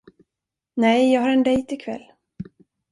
Nej, jag har en dejt ikväll.